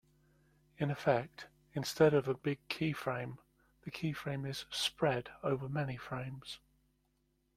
In effect, instead of a big keyframe, the keyframe is "spread" over many frames.